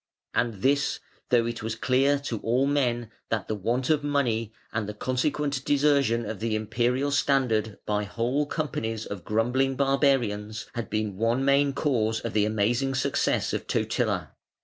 And this, though it was clear to all men that the want of money and the consequent desertion of the Imperial standard by whole companies of grumbling barbarians, had been one main cause of the amazing success of Totila.